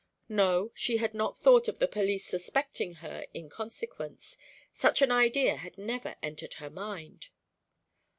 No, she had not thought of the police suspecting her in consequence; such an idea had never entered her mind.